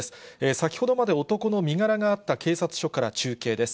先ほどまで男の身柄があった警察署から中継です。